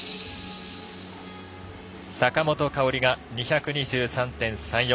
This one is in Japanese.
坂本花織が２２３．３４。